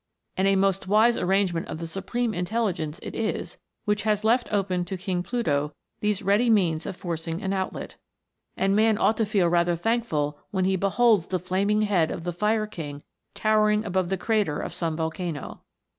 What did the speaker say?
And a most wise arrangement PLUTO'S KINGDOM. 289 of the Supreme Intelligence it is, which has left open to King Pluto these ready means of forcing an. outlet ; and man ought to feel rather thankful when he beholds the flaming head of the Fire King towering above the crater of some volcano.